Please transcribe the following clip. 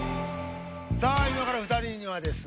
さあ今から２人にはですね